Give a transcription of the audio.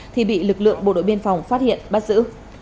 thì bị lực lượng bộ đội biên phòng phát hiện bắt giữ